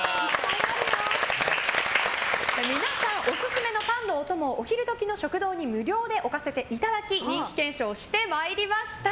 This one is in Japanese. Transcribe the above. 皆さんオススメのパンのお供をお昼時の食堂に無料で置かせていただき人気検証してまいりました。